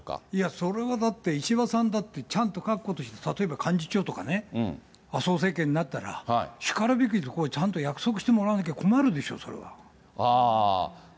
それはだって、石破さんだってちゃんと確固として幹事長とかね、麻生政権になったら、しかるべきところへちゃんと約束してもらわなきゃ困るでしょ、ああ。